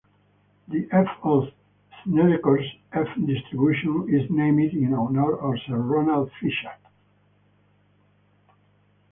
The "F" of Snedecor's "F" distribution is named in honor of Sir Ronald Fisher.